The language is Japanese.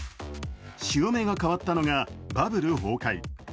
潮目が変わったのが、バブル崩壊。